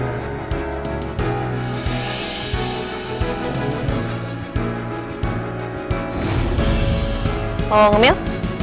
mau enggak emil